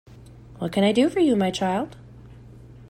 What can I do for you, my child?